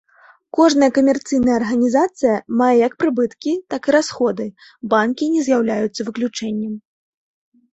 Кожная камерцыйная арганізацыя мае як прыбыткі так і расходы, банкі не з'яўляюцца выключэннем.